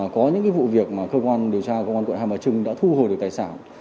có những vụ việc mà cơ quan điều tra cơ quan quận hai mà trưng đã thu hồi được tài sản